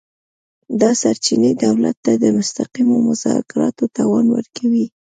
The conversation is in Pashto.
دا سرچینې دولت ته د مستقیمو مذاکراتو توان ورکوي